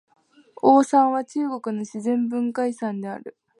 黄山は中国の自然文化遺産である。